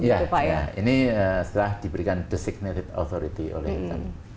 ya ini setelah diberikan designated authority oleh kami